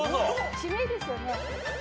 地名ですよね。